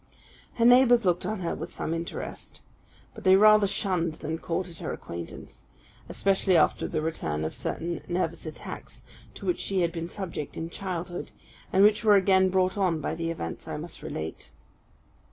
Her neighbours looked on her with some interest, but they rather shunned than courted her acquaintance; especially after the return of certain nervous attacks, to which she had been subject in childhood, and which were again brought on by the events I must relate.